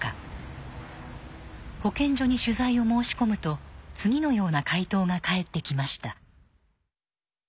保健所に取材を申し込むと次のような回答が返ってきました。